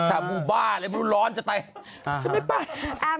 ชาบูบ้าเลยร้อนจะตายฉันไม่ไป